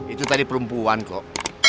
itu tadi perempuan kok